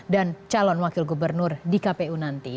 dan calon wakil gubernur di kpu nanti